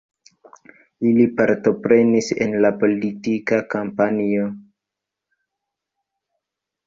Ili partoprenis en la politika kampanjo.